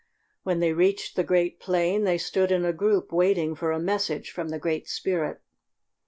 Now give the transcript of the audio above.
When they reached the great plain, they stood in a group waiting for a message from the Great Spirit.